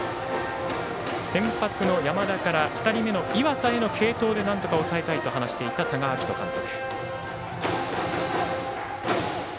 先発の山田から岩佐への継投でなんとか抑えたいと話していた多賀章仁監督。